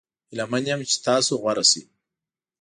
هیله من یم چې تاسو غوره شي.